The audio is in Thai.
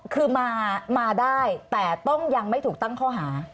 คือมาได้แต่ต้องยังไม่ถูกตั้งข้อหา